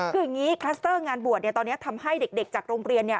คืออย่างนี้คลัสเตอร์งานบวชตอนนี้ทำให้เด็กจากโรงเรียน